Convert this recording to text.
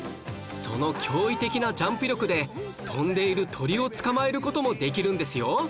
その驚異的なジャンプ力で飛んでいる鳥を捕まえる事もできるんですよ